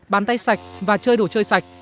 bán tay sạch và chơi đồ chơi sạch